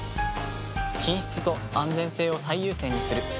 品質と安全性を最優先にする。